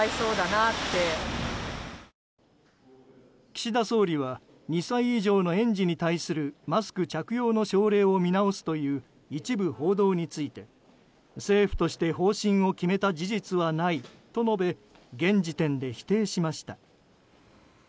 岸田総理は２歳以上の園児に対するマスク着用の奨励を見直すという一部報道について政府として方針を決めた事実はないと述べ現時点で否定しました。